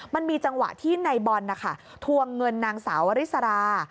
มันมีจังหวะที่นายบอลนะคะทวงเงินนางสาววริสรา